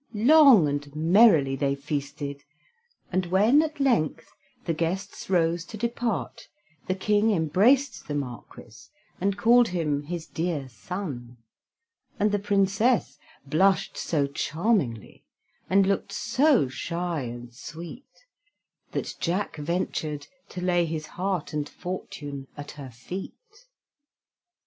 Long and merrily they feasted, and when at length the guests rose to depart, the King embraced the Marquis, and called him his dear son; and the Princess blushed so charmingly and looked so shy and sweet, that Jack ventured to lay his heart and fortune at her feet.